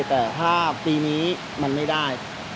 แต่ถ้าปีนี้มันไม่ได้